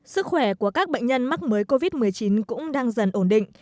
sức khỏe của các bệnh nhân mắc mới covid một mươi chín cũng đang dần ổn định